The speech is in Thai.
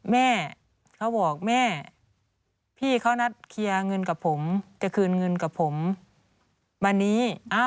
แม่เขาบอกแม่พี่เขานัดเคลียร์เงินกับผมจะคืนเงินกับผมวันนี้